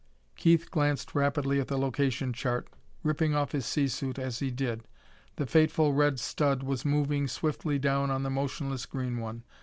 Keith glanced rapidly at the location chart, ripping off his sea suit as he did. The fateful red stud was moving swiftly down on the motionless green one.